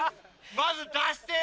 まず出してよ。